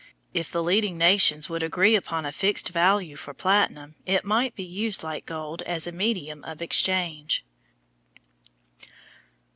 If the leading nations would agree upon a fixed value for platinum, it might be used like gold as a medium of exchange.